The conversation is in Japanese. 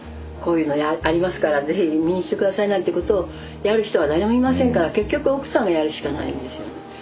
こういうのありますから是非見に来て下さいなんてことをやる人は誰もいませんから結局奥さんがやるしかないんですよ。